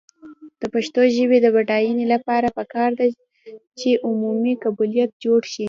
د پښتو ژبې د بډاینې لپاره پکار ده چې عمومي قبولیت لوړ شي.